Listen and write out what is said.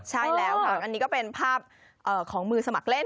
ใช่แล้วค่ะอันนี้ก็เป็นภาพของมือสมัครเล่น